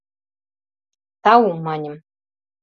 «Тау, — маньым.